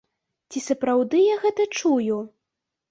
Ці сапраўды я гэта чую?